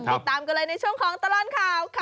ติดตามกันเลยในช่วงของตลอดข่าวค่ะ